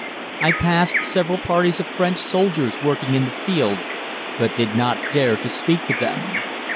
I passed several parties of French soldiers working in the fields, but did not dare to speak to them.